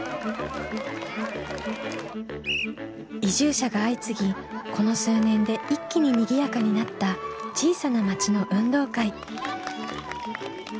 移住者が相次ぎこの数年で一気ににぎやかになった小さな町の運動会。